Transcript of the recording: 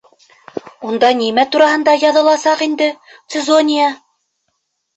Унда нимә тураһында яҙыласаҡ инде, Цезония?